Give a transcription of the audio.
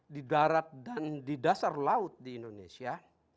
di darat dan di dasar laut di indonesia